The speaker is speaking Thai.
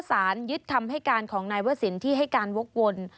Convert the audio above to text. ที่คำให้การของนายว่าสินที่ให้การวกวน